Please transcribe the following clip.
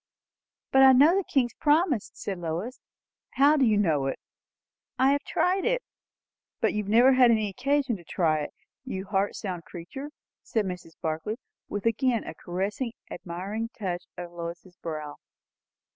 "But I know the King's promise," said Lois. "How do you know it?" "I have tried it." "But you have never had any occasion to try it, you heart sound creature!" said Mrs. Barclay, with again a caressing, admiring touch of Lois's brow.